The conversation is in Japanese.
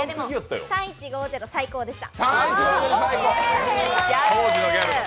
３１５０、最高でした。